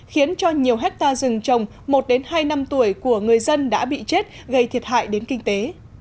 khiến cho nhiều hectare rừng trồng một hai năm tuổi của người dân đã bị chết gây thiệt hại đến kinh tế